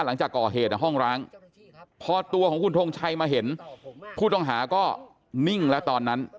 หลังจากก่อเหตุห้องร้างพอตัวของคุณทงชัยมาเห็นผู้ต้องหาก็นิ่งแล้วตอนนั้น